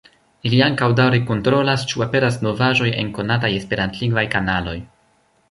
Ili ankaŭ daŭre kontrolas, ĉu aperas novaĵoj en konataj esperantlingvaj kanaloj.